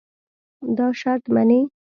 دا شرط منې.